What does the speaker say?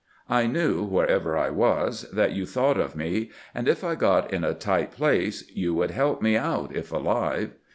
... I knew, wherever I was, that you thought of me, and if I got in a tight place you would help me out if alive."